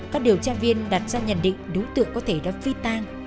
các điều tra viên đặt ra nhận định đối tượng có thể đã phi tang